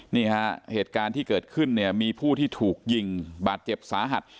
นี่ฮะเหตุการณ์ที่เกิดขึ้นเนี่ยมีผู้ที่ถูกยิงบาดเจ็บสาหัส